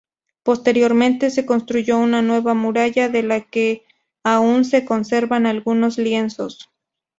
Posteriormente se construyó una nueva muralla de la que aún se conservan algunos lienzos.